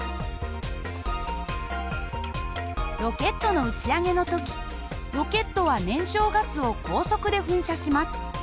ロケットの打ち上げの時ロケットは燃焼ガスを高速で噴射します。